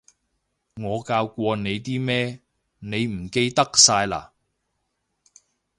我教過你啲咩，你唔記得晒嘞？